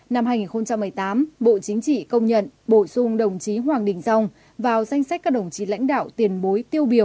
năm hai nghìn một mươi tám bộ chính trị công nhận bổ sung đồng chí hoàng đình dông vào danh sách các đồng chí lãnh đạo tiền bối tiêu biểu